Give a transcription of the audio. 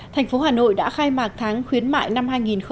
thành phố hà nội đã khai mạc tháng khuyến mại năm hai nghìn một mươi bảy